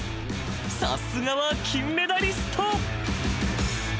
［さすがは金メダリスト］